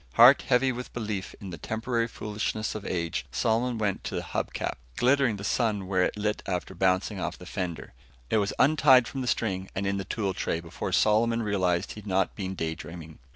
Heart heavy with belief in the temporary foolishness of age, Solomon went to the hub cap, glittering the sun where it lit after bouncing off the fender. It was untied from the string, and in the tool tray, before Solomon realized he'd not been daydreaming.